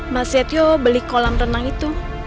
mas setio beli kolam renang itu